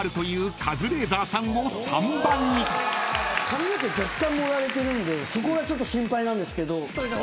髪の毛絶対盛られてるんでそこが心配なんですけど。